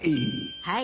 はい。